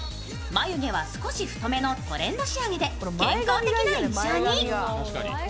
眉毛は少し太めのトレンド仕上げで健康的な印象に。